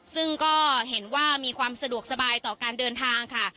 ซึ่งก็เห็นว่ามีความสะดวกสบายต่อการเดินทางค่ะ